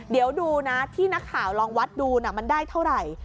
เดี๋ยวดูนะที่นักข่าวลองวัดดูนะมันได้เท่าไหร่